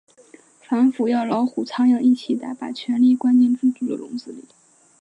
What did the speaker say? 反腐要老虎、苍蝇一起打，把权力关进制度的笼子里。